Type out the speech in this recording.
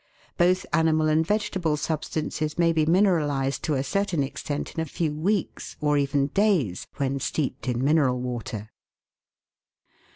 Both animal and vege table substances may be mineralised to a certain extent in a few weeks, or even days, when steeped in mineral water.